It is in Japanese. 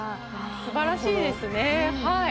すばらしいですねはい。